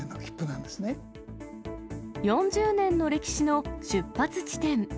なん４０年の歴史の出発地点。